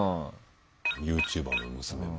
ユーチューバーの娘も。